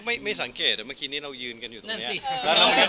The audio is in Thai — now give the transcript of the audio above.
ไม่สังเกตเมื่อกี้นี้เรายืนกันอยู่ตรงนี้